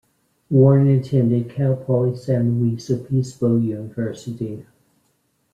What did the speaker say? Warren attended Cal Poly San Luis Obispo University.